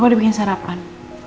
aku udah bikin sarapan